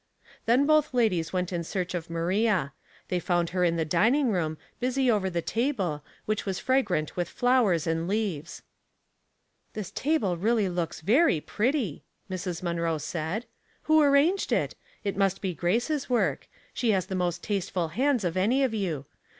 Then both ladies went in search of Maria. They found her in the dining room, busy over the table, which was fragrant with flowers and leaves. 228 Household Puzzles, " This table really looks very pretty/' Mrs. Munroe said. "Who arranged it? It must be Grace's work. She has the most tasteful hands of any of you.